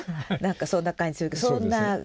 そんな感じするけどそんな方でしたか？